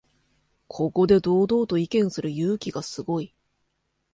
ここで堂々と意見する勇気がすごい